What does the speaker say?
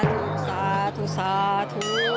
ถูกภาพถูกภาพ๒๓๓๔